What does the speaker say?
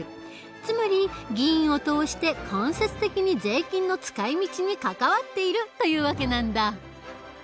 つまり議員を通して間接的に税金の使い道に関わっているという訳なんだ。